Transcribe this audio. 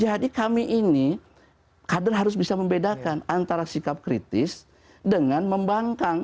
jadi kami ini kader harus bisa membedakan antara sikap kritis dengan membangkang